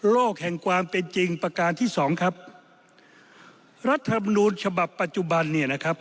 แห่งความเป็นจริงประการที่สองครับรัฐธรรมนูญฉบับปัจจุบันเนี่ยนะครับ